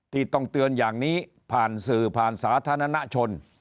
ที่ต้องเตือนอย่างนี้ผ่านสื่อผ่านสาธารณชน